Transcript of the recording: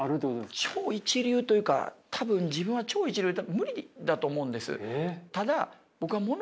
超一流というか多分自分は超一流多分無理だと思うんです。